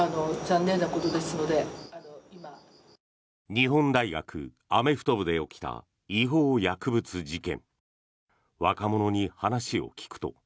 日本大学アメフト部で起きた違法薬物事件。